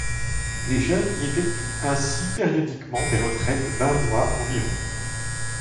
Les jeunes y effectuent ainsi périodiquement des retraites d’un mois environ.